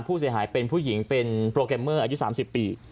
ผู้เสียหายเป็นผู้หญิงเป็นโปรแกรมเมอร์อายุ๓๐ปี